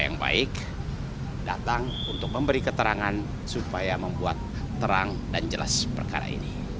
yang baik datang untuk memberi keterangan supaya membuat terang dan jelas perkara ini